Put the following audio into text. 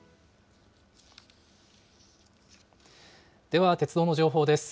では鉄道の情報です。